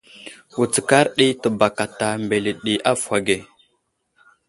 Wutskar ɗi təbakata mbele ɗi avohw age.